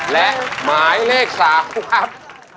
และหมายเลข๓ครับ